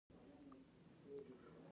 شنه رنګ د دیندارۍ نښه ده.